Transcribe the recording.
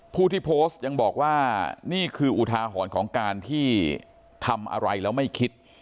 ผู้ที่โพสต์ยังบอกว่านี่คืออุทาหรณ์ของการที่ทำอะไรแล้วไม่คิด